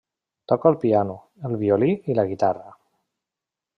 Toca el piano, el violí i la guitarra.